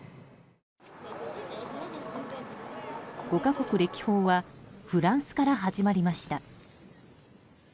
５か国歴訪はフランスから始まりました。